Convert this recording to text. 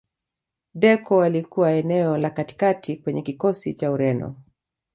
deco alikuwa eneo la katikati kwenye kikosi cha ureno